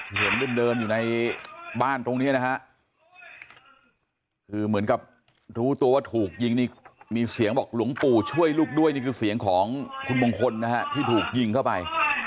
เห็นเดินอยู่ในบ้านตรงนี้นะฮะคือเหมือนกับรู้ตัวว่าถูกยิงนี่มีเสียงบอกหลวงปู่ช่วยลูกด้วยนี่คือเสียงของคุณมงคลนะฮะที่ถูกยิงเข้าไป